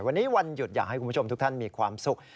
วันนี้วันหยุดอยากให้คุณผู้ชมทุกท่านมีความสุข